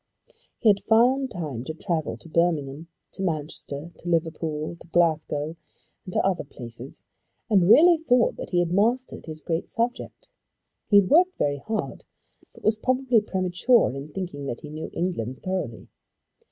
He had found time to travel to Birmingham, to Manchester, to Liverpool, to Glasgow, and to other places, and really thought that he had mastered his great subject. He had worked very hard, but was probably premature in thinking that he knew England thoroughly.